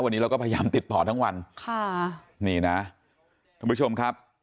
วันนี้เราก็พยายามติดต่อทั้งวันค่ะนี่นะท่านผู้ชมครับ